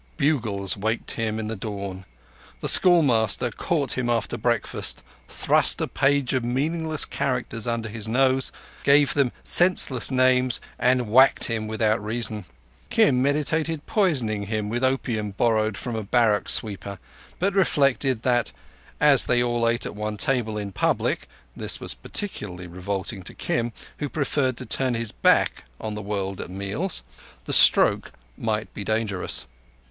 Bugles waked him in the dawn; the schoolmaster caught him after breakfast, thrust a page of meaningless characters under his nose, gave them senseless names and whacked him without reason. Kim meditated poisoning him with opium borrowed from a barrack sweeper, but reflected that, as they all ate at one table in public (this was peculiarly revolting to Kim, who preferred to turn his back on the world at meals), the stroke might be dangerous.